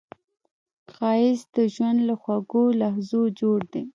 ښایست د ژوند له خوږو لحظو جوړ دی